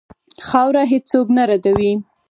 خاوره هېڅ څوک نه ردوي.